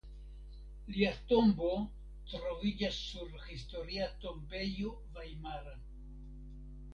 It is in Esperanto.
Lia tombo troviĝas sur la Historia tombejo vajmara.